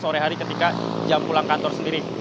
sore hari ketika jam pulang kantor sendiri